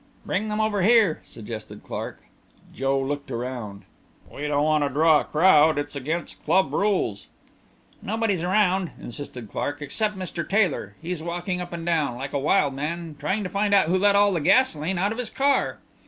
"Bring them over here," suggested Clark. Joe looked around. "We don't want to draw a crowd. It's against club rules." "Nobody's around," insisted Clark, "except Mr. Taylor. He's walking up and down like a wild man trying find out who let all the gasolene out of his car."